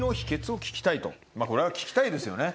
これは聞きたいですよね。